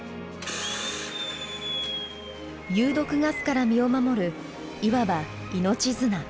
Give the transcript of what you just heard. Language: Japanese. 有毒ガスから身を守るいわば「命綱」。